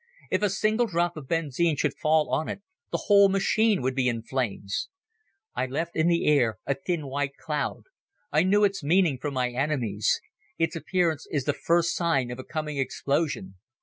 If a single drop of benzine should fall on it the whole machine would be in flames. I left in the air a thin white cloud. I knew its meaning from my enemies. Its appearance is the first sign of a coming explosion.